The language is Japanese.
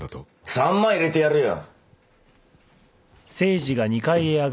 ３万入れてやるよ。